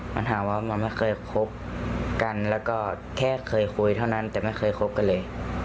มันถามว่ามันไม่เคยคบกันแล้วก็แค่เคยคุยเท่านั้นแต่ไม่เคยคบกันเลย